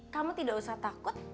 kamu tidak usah takut